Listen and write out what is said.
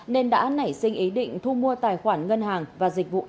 nên đã nảy sinh ý định thu mua tài khoản ngân hàng và dịch vụ